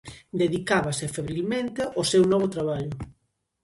Dedicábase febrilmente ao seu novo traballo.